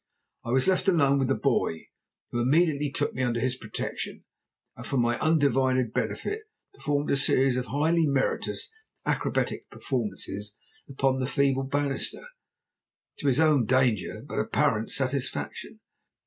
I was left alone with the boy, who immediately took me under his protection, and for my undivided benefit performed a series of highly meritorious acrobatic performances upon the feeble banisters, to his own danger, but apparent satisfaction.